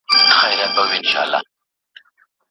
زه د میني زولانه یم زه د شمعي پر وانه یم